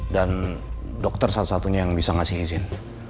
dan dokter satu satunya yang bisa ngasih izin